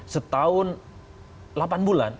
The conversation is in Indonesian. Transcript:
setahun delapan bulan